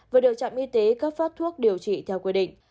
vừa được trạm y tế cấp phát thuốc điều trị theo quy định